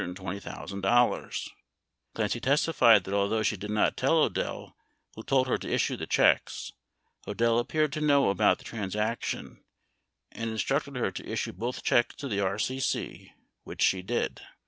Clancy testified that although she did not tell Odell who told her to issue the checks, Odell appeared to know about the transaction and instructed her to issue both checks to the RCC, which she did.